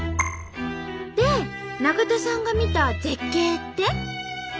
で中田さんが見た絶景って？